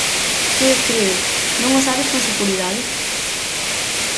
Creo! Creo! Non o sabes con seguridade?